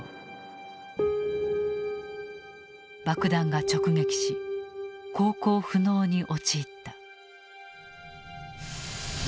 爆弾が直撃し航行不能に陥った。